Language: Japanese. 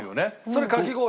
それかき氷。